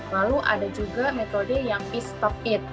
lalu ada juga metode yang eat stop eat